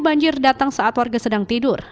banjir datang saat warga sedang tidur